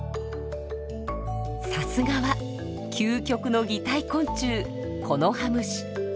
さすがは究極の擬態昆虫コノハムシ。